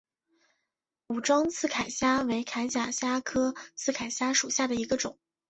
武装刺铠虾为铠甲虾科刺铠虾属下的一个种。